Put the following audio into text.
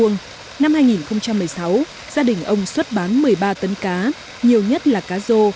năm hai nghìn một mươi sáu gia đình ông xuất bán một mươi ba tấn cá nhiều nhất là cá rô